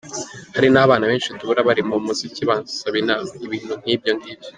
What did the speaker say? Hari n’abana benshi duhura bari mu muziki bansaba inama, ibintu nk’ibyongibyo.